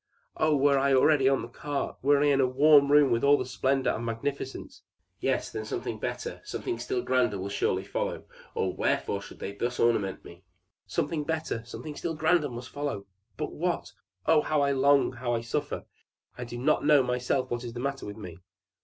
Oh! were I but already on the cart! Were I in the warm room with all the splendor and magnificence! Yes; then something better, something still grander, will surely follow, or wherefore should they thus ornament me? Something better, something still grander must follow but what? Oh, how I long, how I suffer! I do not know myself what is the matter with me!"